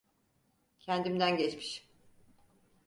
Kendimden geçmişim.